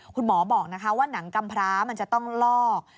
คุณหมอบอกนะคะว่าหนังกำพร้ามันจะต้องลอก